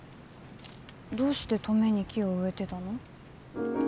どうして登米に木を植えてたの？